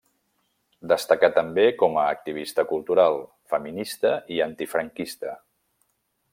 Destacà també com a activista cultural, feminista i antifranquista.